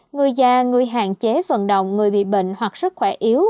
người già người hạn chế vận động người bị bệnh hoặc sức khỏe yếu